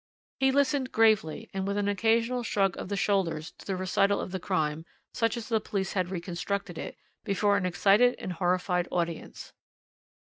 He listened gravely, and with an occasional shrug of the shoulders, to the recital of the crime, such as the police had reconstructed it, before an excited and horrified audience.